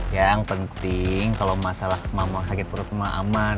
yang penting kalo masalah mama sakit perut sama aman